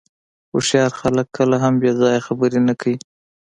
هوښیار خلک کله هم بې ځایه خبرې نه کوي.